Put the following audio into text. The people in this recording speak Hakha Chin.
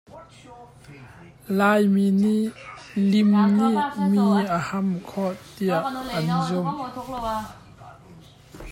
Laimi nih lim nih mi ahamh khawh tiah an zumh.